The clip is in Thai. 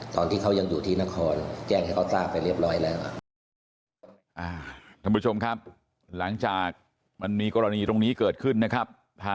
หลังจากมันมีกรณีตรงนี้เกิดขึ้นนะครับ